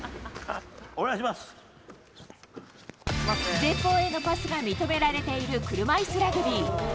前方へのパスが認められている車いすラグビー。